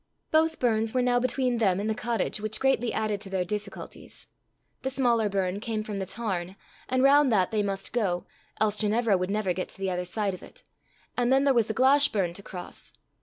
Both burns were now between them and the cottage, which greatly added to their difficulties. The smaller burn came from the tarn, and round that they must go, else Ginevra would never get to the other side of it; and then there was the Glashburn to cross.